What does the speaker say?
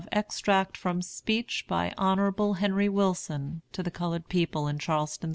EXTRACT FROM A SPEECH BY HON. JUDGE KELLY TO THE COLORED PEOPLE IN CHARLESTON, S.